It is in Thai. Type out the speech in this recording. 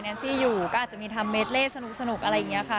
ซี่อยู่ก็อาจจะมีทำเมดเล่สนุกอะไรอย่างนี้ค่ะ